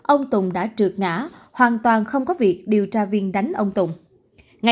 ông tùng đã trượt ngã hoàn toàn không có việc điều tra viên đánh ông tùng